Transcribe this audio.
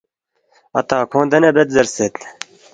اتا کھونگ دینے بید زیرسید